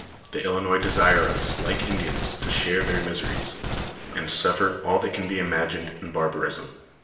The Ilinois desire us, like Indians, to share their miseries, and suffer all that can be imagined in barbarism.